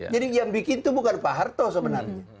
jadi yang bikin itu bukan pak harto sebenarnya